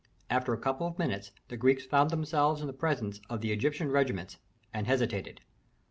After a couple of minutes the Greeks found themselves in the presence of the Egyptian regiments, and hesitated.